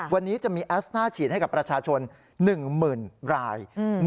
วันนี้จะมีแอสน่าฉีดให้กับประชาชน๑๐๐๐ราย